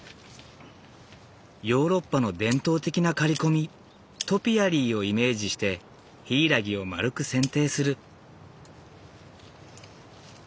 ヨーロッパの伝統的な刈り込みトピアリーをイメージしてヒイラギを丸く剪定する。